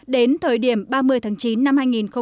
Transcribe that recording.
đến thời điểm ba mươi tháng chín năm hai nghìn một mươi bảy